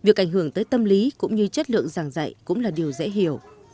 cái tâm lý cũng như chất lượng giảng dạy cũng là điều dễ hiểu